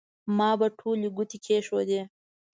ما به ټولې ګوتې کېښودې.